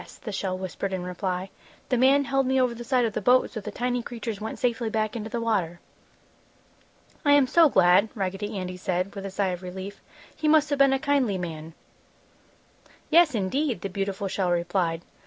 the shell whispered in reply. "The man held me over the side of the boat, so the tiny creatures went safely back into the water!" "I am so glad!" Raggedy Andy said, with a sigh of relief. "He must have been a kindly man!" "Yes, indeed!" the beautiful shell replied.